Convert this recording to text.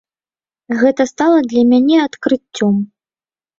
Гэта стала для мяне адкрыццём.